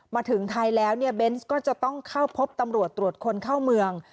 มาถึงไทยแล้วเนี่ยเบนส์ก็จะต้องเข้าพบตำรวจตรวจคนเข้าเมือง